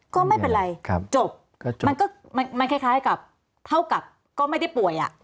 ก็ไม่เป็นไรจบมันก็มันคล้ายกับเท่ากับก็ไม่ได้ป่วย